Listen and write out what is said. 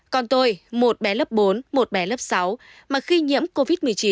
con tôi một bé lớp bốn một bé lớp sáu mà khi nhiễm covid một mươi chín